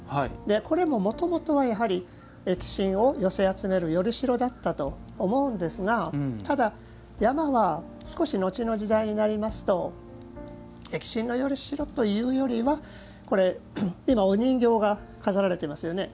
これももともとは疫神を寄せ集める依代だったと思うんですが山は後の時代になりますと疫神の依代というよりは今、お人形が飾られていますよね。